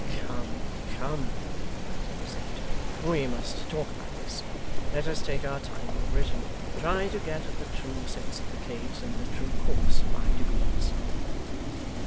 'Come, come!' said the Secretary. 'We must talk about this. Let us take our time over it, and try to get at the true sense of the case and the true course, by degrees.